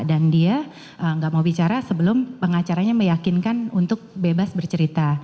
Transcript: dan dia tidak mau bicara sebelum pengacaranya meyakinkan untuk bebas bercerita